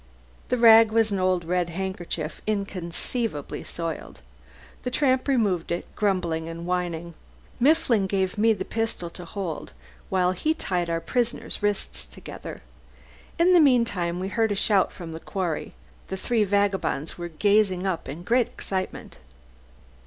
The rag was an old red handkerchief, inconceivably soiled. The tramp removed it, grumbling and whining. Mifflin gave me the pistol to hold while he tied our prisoner's wrists together. In the meantime we heard a shout from the quarry. The three vagabonds were gazing up in great excitement.